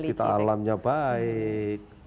kita alamnya baik